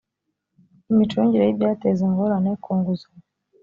imicungire y ibyateza ingorane ku nguzanyo